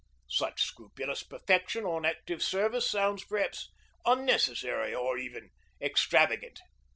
Such scrupulous perfection on active service sounds perhaps unnecessary or even extravagant.